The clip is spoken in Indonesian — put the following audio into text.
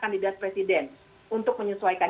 kandidat presiden untuk menyesuaikan